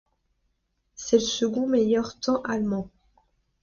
C'est le second meilleur temps allemand.